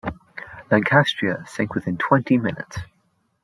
"Lancastria" sank within twenty minutes.